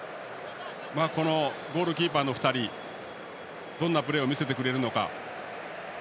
このゴールキーパーの２人どんなプレーを見せてくれるのか。